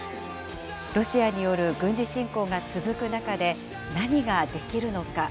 ロシアによる軍事侵攻が続く中で、何ができるのか。